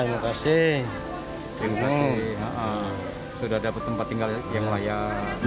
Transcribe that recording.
terima kasih trime sudah dapat tempat tinggal yang layak